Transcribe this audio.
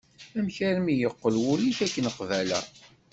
Amek armi yeqqel wul-ik akken qbala?